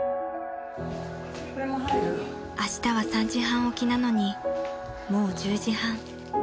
［あしたは３時半起きなのにもう１０時半］